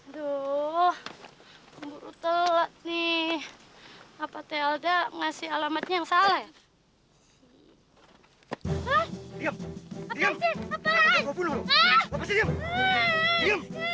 aduh buru telat nih apa tilda ngasih alamatnya yang salah ya